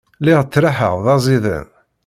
Lliɣ ttraḥeɣ d aẓidan.